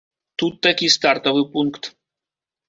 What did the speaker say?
Тут такі стартавы пункт.